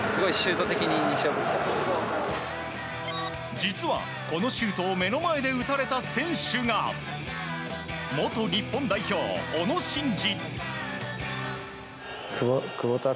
実は、このシュートを目の前で打たれた選手が元日本代表、小野伸二。